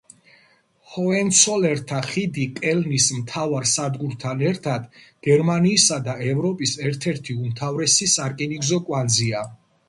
ჰოენცოლერნთა ხიდი კელნის მთავარ სადგურთან ერთად გერმანიისა და ევროპის ერთ-ერთი უმთავრესი სარკინიგზო კვანძია.